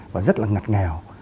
và rất là ngặt ngào